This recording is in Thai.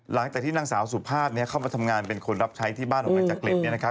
หลังจากที่นางสาวสุภาพเนี่ยเข้ามาทำงานเป็นคนรับใช้ที่บ้านของในจักริดเนี่ยนะครับ